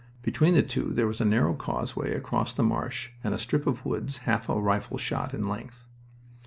Between the two there was a narrow causeway across the marsh and a strip of woods half a rifle shot in length.